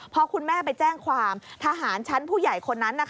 พอคุณแม่ไปแจ้งความทหารชั้นผู้ใหญ่คนนั้น